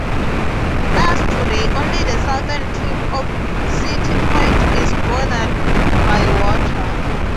Thus today only the southern tip of City Point is bordered by water.